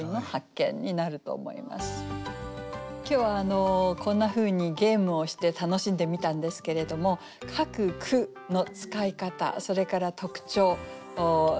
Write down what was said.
それも今日はこんなふうにゲームをして楽しんでみたんですけれども各句の使い方それから特徴流れ